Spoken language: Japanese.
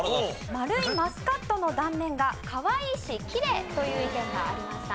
丸いマスカットの断面がかわいいしきれいという意見がありました。